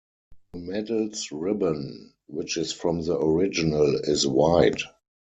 The medal's ribbon, which is from the original, is wide.